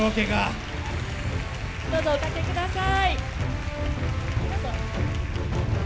どうぞお掛けください。